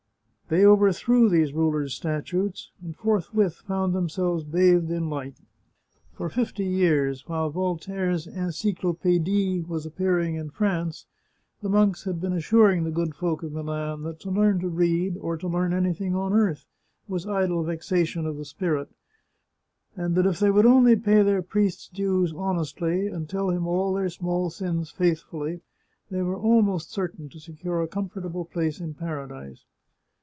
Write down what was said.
They overthrew these rulers' statues, and forthwith found themselves bathed in light. For fifty years, while Voltaire's Encyclopedic was appearing in France, the monks had been assuring the good folk of Milan that to learn to read, or to learn anything on earth, was idle vexation of the spirit, and that if they would only pay their priest's dues honestly, and tell him all their small sins faithfully, they were almost certain to secure a comfortable place in para dise.